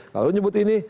kalau lu nyebut ini